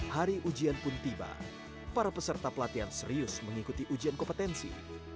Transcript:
hari ujian pun tiba para peserta pelatihan serius mengikuti ujian kompetensi